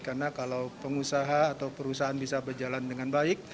karena kalau pengusaha atau perusahaan bisa berjalan dengan baik